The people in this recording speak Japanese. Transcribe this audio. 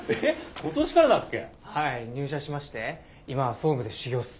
はい入社しまして今は総務で修業っす。